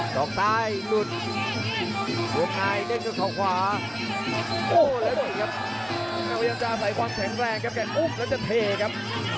กระโดยสิ้งเล็กนี่ออกกันขาสันเหมือนกันครับ